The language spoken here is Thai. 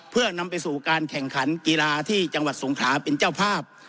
เพื่อนำไปสู่การแข่งขันกีฬาที่จังหวัดสงขลาเป็นเจ้าภาพ